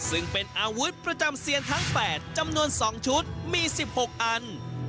ซึ่งเป็นอาวุธประจำเซียนทั้ง๘จำนวน๒ชุดมี๑๖อัน